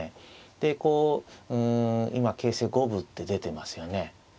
でこううん今形勢五分って出てますよね。